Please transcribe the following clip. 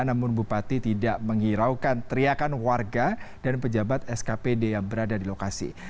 namun bupati tidak menghiraukan teriakan warga dan pejabat skpd yang berada di lokasi